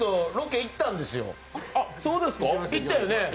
行ったよね？